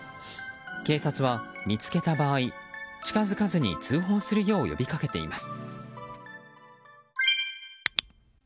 警察は見つけた場合、近づかずに通報するよう呼びかけています。